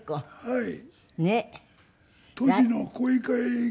はい。